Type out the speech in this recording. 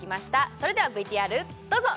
それではＶＴＲどうぞ！